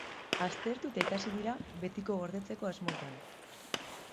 Aztertu eta ikasi dira, betiko gordetzeko asmotan.